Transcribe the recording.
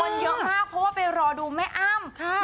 เพราะว่าไปรอดูแม่อ้ำ